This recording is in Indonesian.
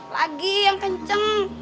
lagi yang kenceng